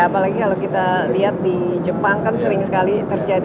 apalagi kalau kita lihat di jepang kan sering sekali terjadi